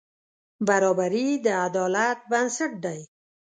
برابري د عدالت بنسټ دی.